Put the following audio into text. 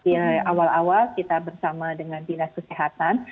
di awal awal kita bersama dengan binas kesehatan